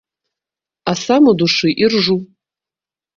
А сам у душы іржу.